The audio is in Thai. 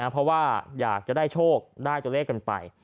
เพราะว่าอยากจะได้โชคได้ตัวเลขกันไป